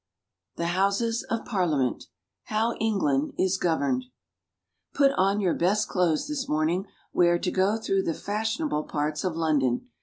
THE HOUSES OF PARLIAMENT ENGLAND IS GOVERNED. HOW PUT on your best clothes this morning. We are to go through the fashionable parts of London.